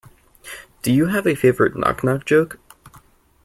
Do you have a favourite knock knock joke?